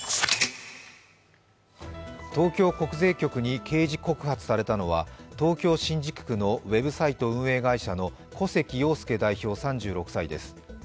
東京国税局に刑事告発されたのは、東京・新宿区のウェブサイト運営会社の古関陽介代表です。